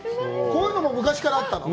こういうのも昔からあったの？